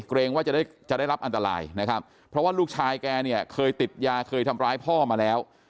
เกรงว่าจะได้จะได้รับอันตรายนะครับเพราะว่าลูกชายแกเนี่ยเคยติดยาเคยทำร้ายพ่อมาแล้ว